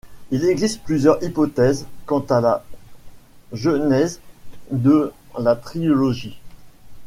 Il existe plusieurs hypothèses quant à la genèse de la trilogie.